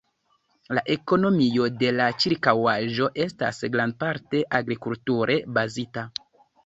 La ekonomio de la ĉirkaŭaĵo estas grandparte agrikulture bazita.